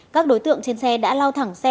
các đối tượng trên xe đã lau thẳng xe